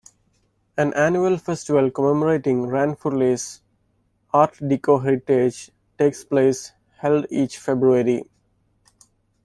An annual festival commemorating Ranfurly's Art Deco heritage takes place held each February.